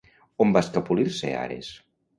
On va escapolir-se Ares?